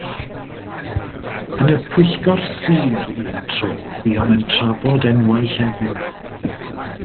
Yn y Pwyllgor Sir un tro buom yn trafod enwau llefydd.